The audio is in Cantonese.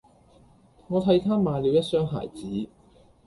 我替他買了一雙鞋子